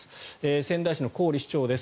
仙台市の郡市長です。